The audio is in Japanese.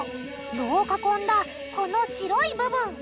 炉を囲んだこの白い部分！